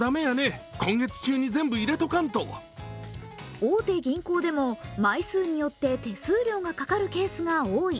大手銀行でも枚数によって手数料がかかるケースが多い。